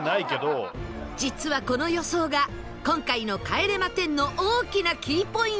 実はこの予想が今回の帰れま１０の大きなキーポイントに